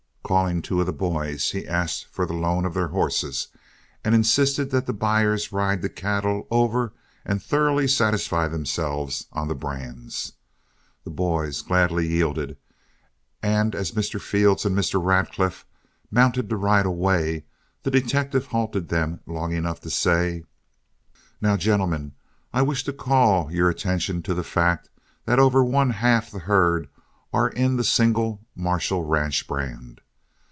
Calling two of the boys, he asked for the loan of their horses and insisted that the buyers ride the cattle over and thoroughly satisfy themselves on the brands. The boys gladly yielded, and as Mr. Field and Mr. Radcliff mounted to ride away, the detective halted them long enough to say: "Now, gentlemen, I wish to call your attention to the fact that over one half the herd are in the single Marshall ranch brand.